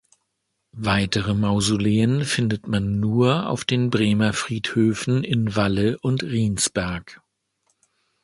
Weitere Mausoleen findet man nur auf den Bremer Friedhöfen in Walle und Riensberg.